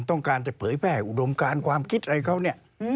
ต้องการจะเผยแพร่อุดมการความคิดอะไรเขาเนี่ย